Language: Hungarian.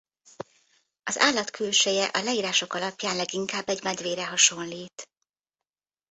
Az állat külseje a leírások alapján leginkább egy medvére hasonlít.